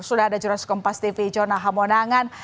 sudah ada jurnalist kompas tv jona hamonangan